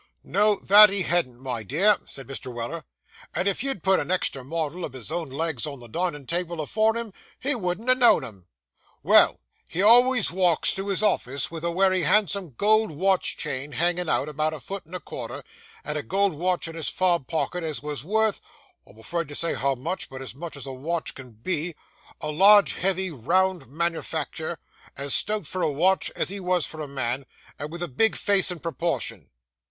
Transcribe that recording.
'No, that he hadn't, my dear,' said Mr. Weller; 'and if you'd put an exact model of his own legs on the dinin' table afore him, he wouldn't ha' known 'em. Well, he always walks to his office with a wery handsome gold watch chain hanging out, about a foot and a quarter, and a gold watch in his fob pocket as was worth I'm afraid to say how much, but as much as a watch can be a large, heavy, round manufacter, as stout for a watch, as he was for a man, and with a big face in proportion.